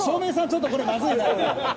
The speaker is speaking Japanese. ちょっとこれまずいな。